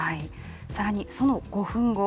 さらに、その５分後。